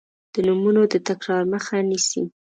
د نومونو د تکرار مخه نیسي.